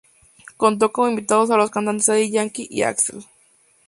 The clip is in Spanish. Contó como invitados a los cantantes Daddy Yankee y Axel.